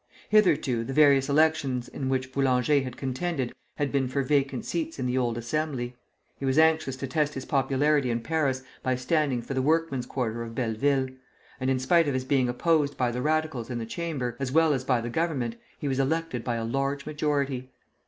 Hitherto the various elections in which Boulanger had contended had been for vacant seats in the old Assembly. He was anxious to test his popularity in Paris by standing for the workman's quarter of Belleville; and in spite of his being opposed by the Radicals in the Chamber, as well as by the Government, he was elected by a large majority.